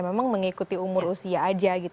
memang mengikuti umur usia aja gitu